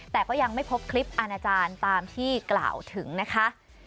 แต่ก็ยังไม่พบคลิปอาณาจารย์ตามที่กล่าวถึงนะคะ